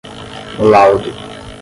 laudo